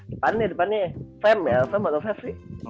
depannya depannya fem ya fem atau fess sih